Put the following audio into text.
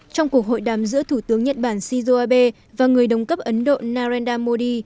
trong cuộc hội đàm giữa thủ tướng nhật bản shinzo abe và người đồng cấp ấn độ narendra modi